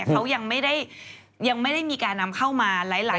เขายังไม่ได้มีการนำเข้ามาหลายร้าน